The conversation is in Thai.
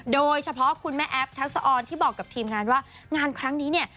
โดยเฉพาะคุณแม่แอฟทักษะออนที่บอกกับทีมงานว่างานครั้งนี้เนี่ย